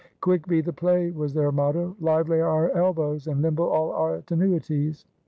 "Quick be the play," was their motto: "Lively our elbows, and nimble all our tenuities."